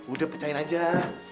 udah pecahin aja